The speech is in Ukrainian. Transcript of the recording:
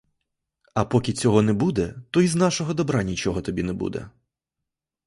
А поки цього не буде, то й з нашого добра нічого тобі не буде.